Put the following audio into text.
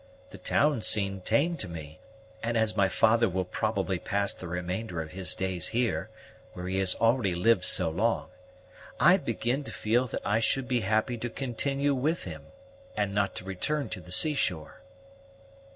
The towns seem tame to me; and, as my father will probably pass the remainder of his days here, where he has already lived so long, I begin to feel that I should be happy to continue with him, and not to return to the seashore."